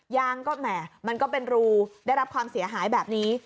ยางก็แหม่มันก็เป็นรูได้รับความเสียหายแบบนี้